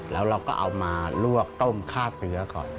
แล้วเราก็เอามาลวกต้มฆ่าเชื้อก่อน